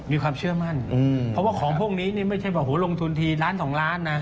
มีความเชื่อมั่นเพราะว่าของพวกนี้เนี่ยไม่ใช่แบบหูลงทุนที๑๒ล้านนะ